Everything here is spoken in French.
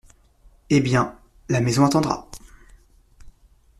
Eh bien, la maison attendra !